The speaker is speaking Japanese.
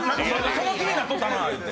その気になっとったなって言って。